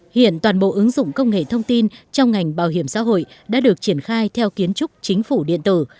hiện toàn bộ ứng dụng công nghệ thông tin trong ngành bảo hiểm xã hội đã được triển khai theo kiến trúc chính phủ điện tử